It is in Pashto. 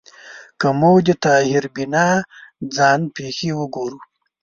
که موږ د طاهر بینا ځان پېښې وګورو